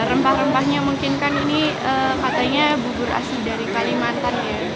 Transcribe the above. rempah rempahnya mungkin kan ini katanya bubur asli dari kalimantan ya